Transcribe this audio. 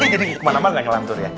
jadi kemana mana nggak nyalantur ya